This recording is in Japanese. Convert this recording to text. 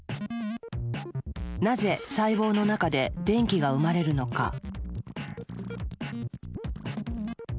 なぜ細胞の中で電気が生まれるのか？